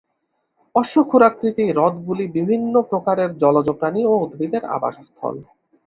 অশ্বক্ষুরাকৃতি হ্রদগুলি বিভিন্ন প্রকারের জলজ প্রাণী ও উদ্ভিদের আবাসস্থল।